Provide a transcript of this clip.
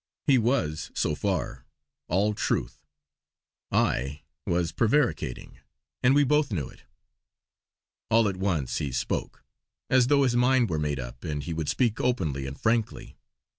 He was, so far, all truth; I was prevaricating and we both knew it! All at once he spoke; as though his mind were made up, and he would speak openly and frankly.